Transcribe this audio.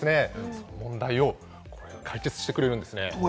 その問題をこれ、解決してくれるんです。